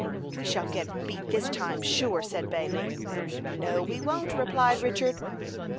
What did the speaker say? "We shall get beat this time, sure," said Bailey. "No, we won't," replied Richard.